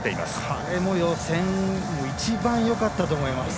彼も予選一番よかったと思います。